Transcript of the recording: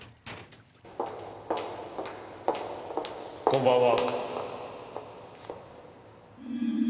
こんばんは。